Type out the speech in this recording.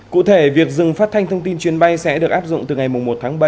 cụ thể việc dừng phát thanh thông tin chuyến bay sẽ được áp dụng từ ngày một tháng bảy